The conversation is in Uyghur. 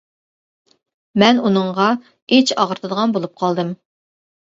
مەن ئۇنىڭغا ئىچ ئاغرىتىدىغان بولۇپ قالدىم.